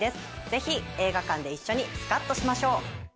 ぜひ、映画館で一緒にスカッとしましょう。